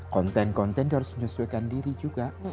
konten konten itu harus menyesuaikan diri juga